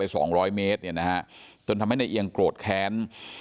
สองร้อยเมตรเนี่ยนะฮะจนทำให้ในเอียงโกรธแค้น